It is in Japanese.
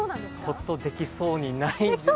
ホッとできそうにないんです。